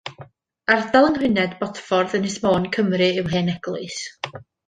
Ardal yng nghymuned Bodffordd, Ynys Môn, Cymru yw Heneglwys.